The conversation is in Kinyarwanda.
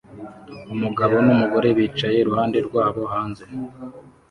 Umugabo n'umugore bicaye iruhande rwabo hanze